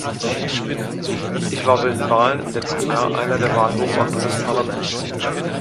Ich war bei den Wahlen im letzten Jahr einer der Wahlbeobachter des Parlaments.